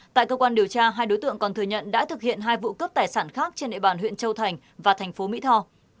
tại cơ quan điều tra hai đối tượng còn thừa nhận đã thực hiện hai vụ cướp tài sản khác trên địa bàn huyện châu thành và thành phố mỹ tho